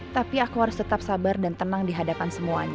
tapi aku harus tetap sabar dan tenang di hadapan semuanya